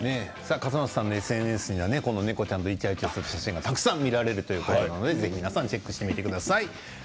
笠松さんのＳＮＳには猫ちゃんとイチャイチャしている写真がたくさん見られるということで皆さんチェックしてみてください。